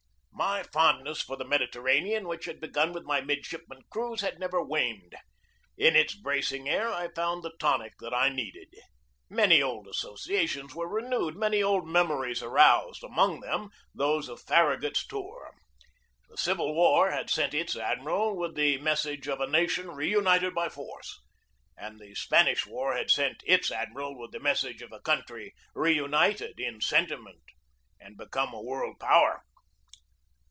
My fondness for the Mediterranean, which had begun with my midshipman cruise, had never waned. In its bracing air I found the tonic that I needed. Many old associations were renewed, many old mem ories aroused, among them those of Farragut's tour. The Civil War had sent its admiral with the message of a nation reunited by force; and the Spanish War had sent its admiral with the message of a country reunited in sentiment and become a world power.